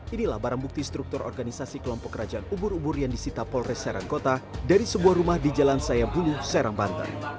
inilah barang bukti struktur organisasi kelompok kerajaan ubur ubur yang disita polres serangkota dari sebuah rumah di jalan sayabuluh serangbantan